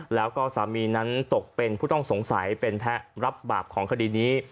แล้วก็สามีนั้นตกเป็นผู้ต้องสงสัยเป็นแพ้รับบาปของคดีนี้